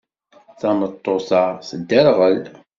Tameṭṭut-a tedderɣel.